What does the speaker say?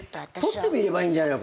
撮ってみればいいんじゃないの。